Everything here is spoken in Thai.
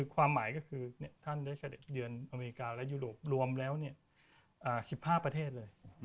ความหมายก็คือท่านได้เสด็จเยือนอเมริกาและยุโรปรวมแล้ว๑๕ประเทศเลย